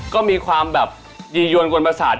ก็มีความแบบยียวนกลบศาสตร์